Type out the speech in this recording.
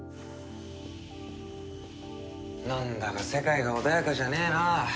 なんだか世界が穏やかじゃねえな。